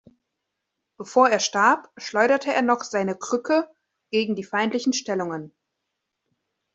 Bevor er starb, schleuderte er noch seine Krücke gegen die feindlichen Stellungen.